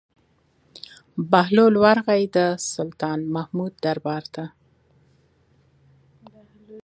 بهلول ورغى د سلطان محمود دربار ته.